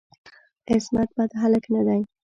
عصمت بد هلک نه دی.